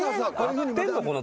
合ってんの？